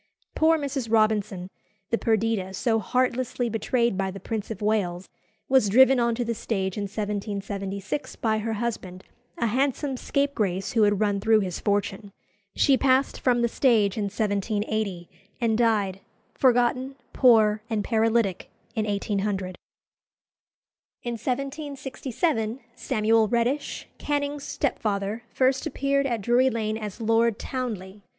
Poor Mrs. Robinson, the "Perdita" so heartlessly betrayed by the Prince of Wales, was driven on to the stage in 1776 by her husband, a handsome scapegrace who had run through his fortune. She passed from the stage in 1780, and died, forgotten, poor, and paralytic, in 1800. In 1767 Samuel Reddish, Canning's stepfather, first appeared at Drury Lane as Lord Townley.